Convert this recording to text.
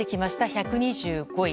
１２５位。